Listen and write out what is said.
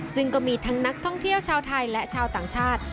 ซึ่งก็มีทั้งนักท่องเที่ยวชาวไทยและชาวต่างชาติ